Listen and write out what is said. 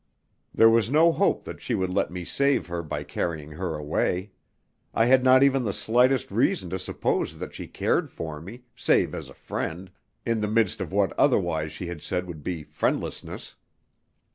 There was no hope that she would let me save her by carrying her away. I had not even the slightest reason to suppose that she cared for me, save as a friend, in the midst of what otherwise she had said would be friendlessness.